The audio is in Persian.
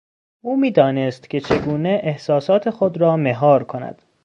او میدانست که چگونه احساسات خود را مهار کند.